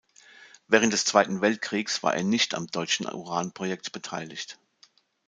Während des Zweiten Weltkriegs war er nicht am deutschen Uranprojekt beteiligt.